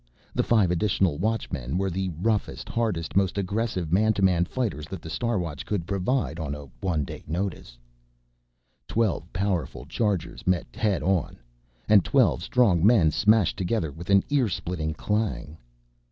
The five additional Watchmen were the roughest, hardiest, most aggressive man to man fighters that the Star Watch could provide on a one day notice. Twelve powerful chargers met head on, and twelve strong men smashed together with an ear splitting CLANG!